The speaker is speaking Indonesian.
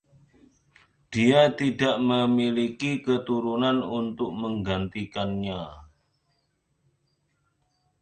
Dia tidak memiliki keturunan untuk menggantikannya.